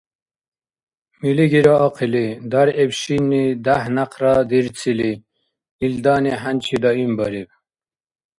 Милигира ахъили, дяргӀиб шинни дяхӀ-някъра дирцили, илдани хӀянчи даимбариб.